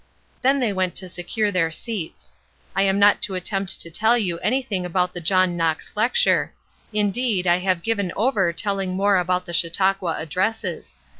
Then they went to secure their seats. I am not to attempt to tell you anything about the John Knox lecture; indeed I have given over telling more about the Chautauqua addresses.